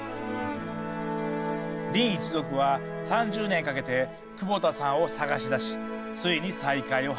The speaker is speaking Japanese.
林一族は３０年かけて久保田さんを探し出しついに再会を果たした。